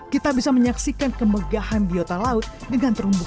kita bisa menyaksikan kemegahan biota laut dengan terumbang